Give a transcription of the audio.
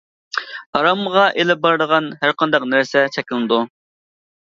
ھارامغا ئېلىپ بارىدىغان ھەرقانداق نەرسە چەكلىنىدۇ.